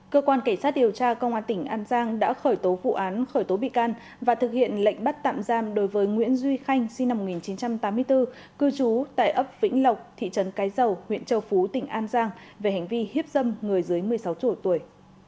cơ quan cảnh sát điều tra công an tỉnh an giang đã khởi tố vụ án khởi tố bị can và thực hiện lệnh bắt tạm giam đối với nguyễn duy khanh sinh năm một nghìn chín trăm tám mươi bốn cư trú tại ấp vĩnh lộc thị trấn cái dầu huyện châu phú tỉnh an giang về hành vi hiếp dâm người dưới một mươi sáu tuổi